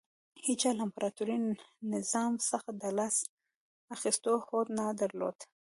هېچا له امپراتوري نظام څخه د لاس اخیستو هوډ نه درلود